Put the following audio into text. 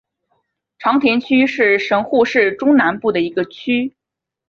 长田区是神户市中南部的一区。